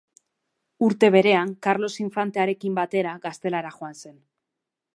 Urte berean, Karlos infantearekin batera, Gaztelara joan zen.